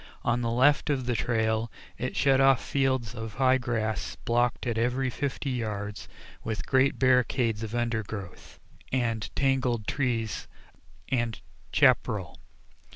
On the left of the trail it shut off fields of high grass blocked at every fifty yards with great barricades of undergrowth and tangled trees and chapparal.